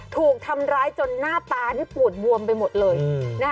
ถูกทำร้ายจนหน้าตานี่ปวดบวมไปหมดเลย